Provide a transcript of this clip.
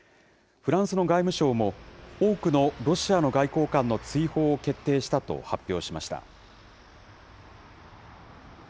フランスの外務省も、多くのロシアの外交官の追放を決定したと発表しました。